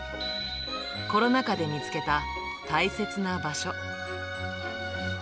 コロナ禍で見つけた大切な場所。